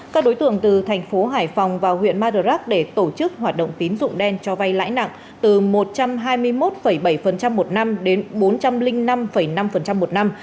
các đối tượng từ thành phố hải phòng vào huyện madrak để tổ chức hoạt động tín dụng đen cho vay lãi nặng từ một trăm hai mươi một bảy một năm đến bốn trăm linh năm năm một năm